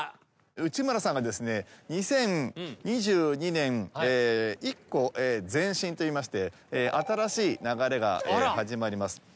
内村さんがですね２０２２年１個ぜんしんといいまして新しい流れが始まります。